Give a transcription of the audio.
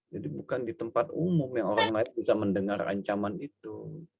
jadi bukan di tempat umum yang orang lain bisa mendengar ancaman itu